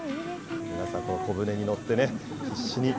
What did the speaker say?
皆さん小舟に乗ってね、必死に。